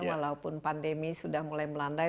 walaupun pandemi sudah mulai melandai